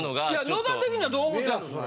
野田的にはどう思ってんのそれ？